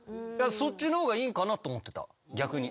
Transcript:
そっちの方がいいかなと思ってた逆に。